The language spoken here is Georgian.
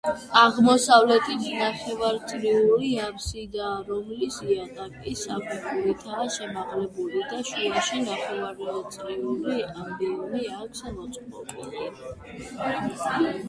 აღმოსავლეთით ნახევარწრიული აფსიდაა, რომლის იატაკი საფეხურითაა შემაღლებული და შუაში ნახევარწრიული ამბიონი აქვს მოწყობილი.